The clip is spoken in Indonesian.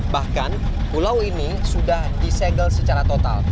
bahkan pulau ini sudah di segel secara total